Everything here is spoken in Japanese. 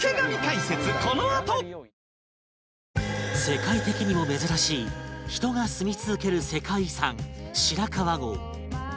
世界的にも珍しい人が住み続ける世界遺産白川郷